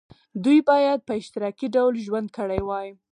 دوی باید په اشتراکي ډول ژوند کړی وای.